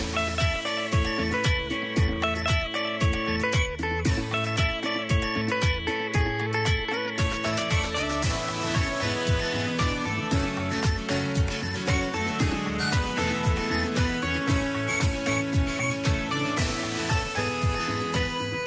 โปรดติดตามตอนต่อไป